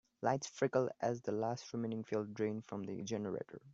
Lights flickered as the last remaining fuel drained from the generator.